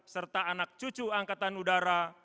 serta anak cucu angkatan udara